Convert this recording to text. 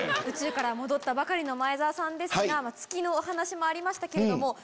宇宙から戻ったばかりの前澤さんですが月のお話もありましたけれども。